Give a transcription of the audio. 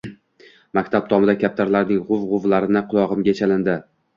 Maktab tomida kaptarlarning g`uv-g`uvlaganini qulog`imga chalindi